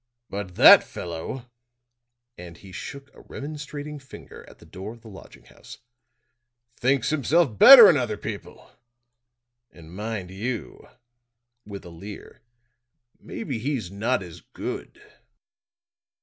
But that fellow," and he shook a remonstrating finger at the door of the lodging house, "thinks himself better'n other people. And mind you," with a leer, "maybe he's not as good."